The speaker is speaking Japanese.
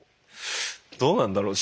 どうなんだろう？